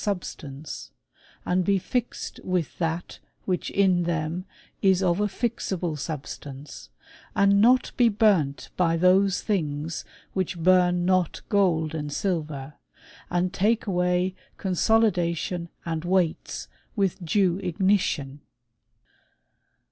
133 substance ; and be fixed with that which in them is of a fixable substance ; and not be burnt by those things which bum not gold and silver ; and take away con solidation and weights with due ignition.